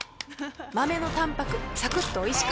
マメのたんぱくサクッとおいしく‼